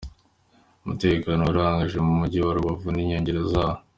Umutekano wari wakajijwe mu mujyi wa Rubavu n'inkengero zawo.